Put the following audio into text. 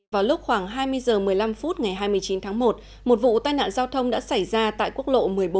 vào lúc khoảng hai mươi h một mươi năm phút ngày hai mươi chín tháng một một vụ tai nạn giao thông đã xảy ra tại quốc lộ một mươi bốn